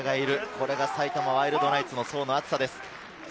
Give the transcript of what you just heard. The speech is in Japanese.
これが埼玉ワイルドナイツの層の厚さです。